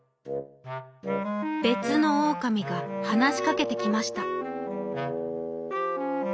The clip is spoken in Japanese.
べつのオオカミがはなしかけてきました。